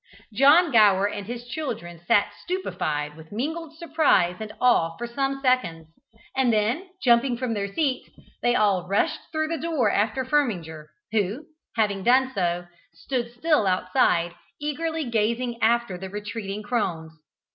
John Gower and his children sat stupified with mingled surprise and awe for some seconds; and then, jumping from their seats, they all rushed through the door after Firminger; who, having done so, stood still outside, eagerly gazing after the retreating crones.